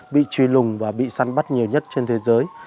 bị truy lùng và bị sắn bắt nhiều nhất trên thế giới